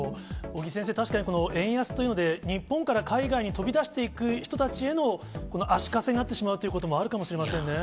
尾木先生、確かに円安というので、日本から海外に飛び出していく人たちへの足かせになってしまうということも、あるかもしれませんね。